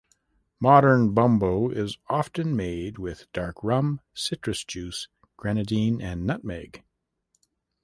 Modern bumbo is often made with dark rum, citrus juice, Grenadine, and nutmeg.